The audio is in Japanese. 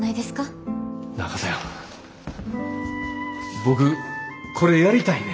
僕これやりたいねん。